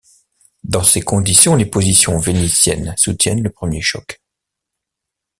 Dans ces conditions, les positions vénitiennes soutiennent le premier choc.